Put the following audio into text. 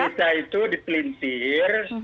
tidak berita itu dipelintir